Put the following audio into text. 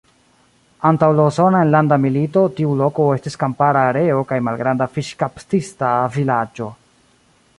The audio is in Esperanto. Antaŭ la Usona Enlanda Milito tiu loko estis kampara areo kaj malgranda fiŝkaptista vilaĝo.